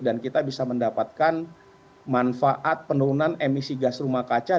dan kita bisa mendapatkan manfaat penurunan emisi gas rumah kaca